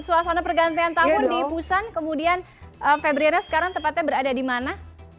suasana pergantian tahun di busan kemudian febriana sekarang tepatnya berada di mana